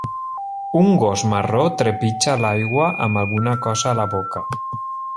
Un gos marró trepitja l'aigua amb alguna cosa a la boca.